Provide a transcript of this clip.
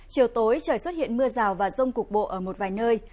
chiều tối trời xuất hiện mưa rào và rông cục bộ ở một vài nơi